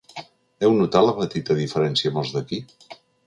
Heu notat la petita diferència amb els d’aquí?